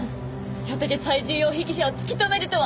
初手で最重要被疑者を突き止めるとは。